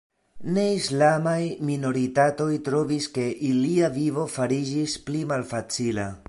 Ne-islamaj minoritatoj trovis ke ilia vivo fariĝis pli malfacila.